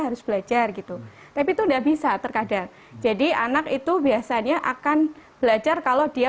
harus belajar gitu tapi itu enggak bisa terkadang jadi anak itu biasanya akan belajar kalau dia